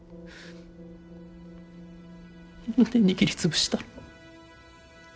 何で握り潰したの？